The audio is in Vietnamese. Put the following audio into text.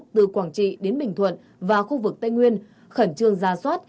từ quảng trị đến bình thuận và khu vực tây nguyên khẩn trương ra soát